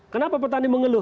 kenapa petani mengeluh